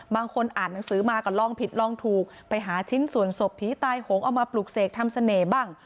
บางคนอ่านหนังสือมาก็ลองผิดลองถูกไปหาชิ้นส่วนศพผีตายโหงเอามาปลูกเสกทำเสน่ห์บ้าง